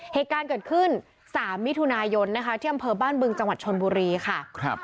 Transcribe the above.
เหตุการณ์เกิดขึ้น๓มิถุนายนนะคะที่อำเภอบ้านบึงจังหวัดชนบุรีค่ะ